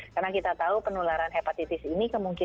karena kita tahu penularan hepatitis ini